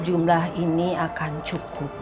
jumlah ini akan cukup